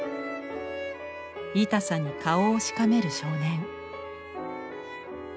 痛さに顔をしかめる少年。